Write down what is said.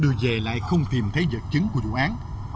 những kiểm soát đưa về lại không tìm thấy vật chứng của dự án